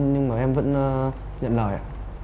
nhưng mà em vẫn nhận lời